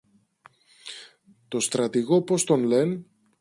το στρατηγό πώς τον λεν;